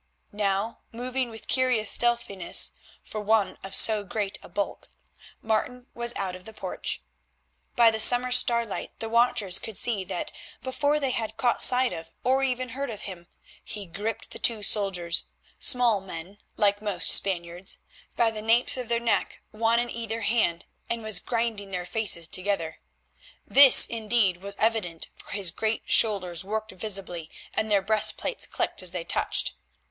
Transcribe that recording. Now, moving with curious stealthiness for one of so great a bulk, Martin was out of the porch. By the summer starlight the watchers could see that, before they had caught sight of, or even heard, him, he gripped the two soldiers, small men, like most Spaniards, by the napes of their necks, one in either hand, and was grinding their faces together. This, indeed, was evident, for his great shoulders worked visibly and their breastplates clicked as they touched.